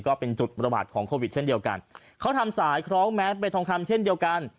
ก็เป็นจุดประบาดของโควิดเช่นเดียวกันเขาทำสายคล้องแมสเบทองคำเช่นเดียวกัน